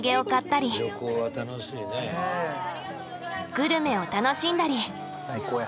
グルメを楽しんだり。